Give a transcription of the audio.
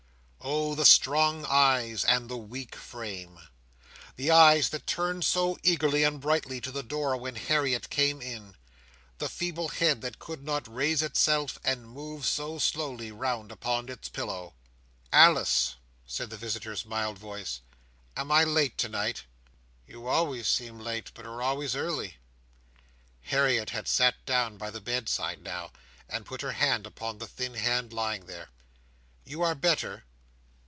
Oh, the strong eyes, and the weak frame! The eyes that turned so eagerly and brightly to the door when Harriet came in; the feeble head that could not raise itself, and moved so slowly round upon its pillow! "Alice!" said the visitor's mild voice, "am I late tonight?" "You always seem late, but are always early." Harriet had sat down by the bedside now, and put her hand upon the thin hand lying there. "You are better?"